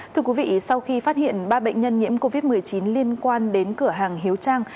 thưa quý vị sau khi phát hiện ba bệnh nhân nhiễm covid một mươi chín liên quan đến cửa hàng hiếu trang